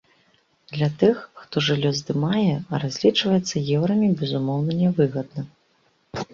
Для тых, хто жыллё здымае, разлічвацца еўрамі безумоўна нявыгадна.